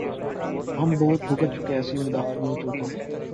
ہم بہت بھگت چکے ایسی مداخلتوں کو۔